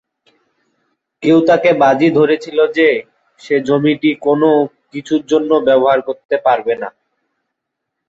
কেউ তাকে বাজি ধরেছিল যে সে জমিটি কোনও কিছুর জন্য ব্যবহার করতে পারবে না।